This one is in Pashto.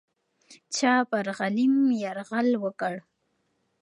څوک پر غلیم یرغل وکړ؟